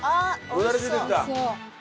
よだれ出てきた。